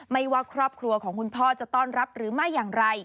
ว่าครอบครัวของคุณพ่อจะต้อนรับหรือไม่อย่างไร